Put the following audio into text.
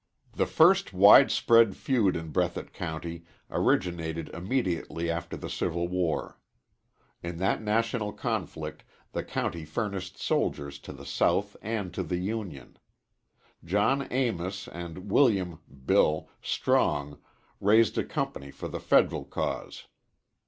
The first widespread feud in Breathitt County originated immediately after the Civil War. In that national conflict the county furnished soldiers to the South and to the Union. John Amis and William (Bill) Strong raised a company for the Federal cause.